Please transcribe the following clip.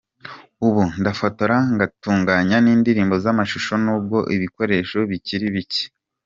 Ubu ndafotora ngatunganya n’indirimbo z’amashusho n’ubwo ibikoresho bikiri bike.